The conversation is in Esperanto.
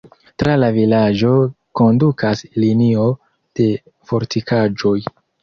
Tra la vilaĝo kondukas linio de fortikaĵoj.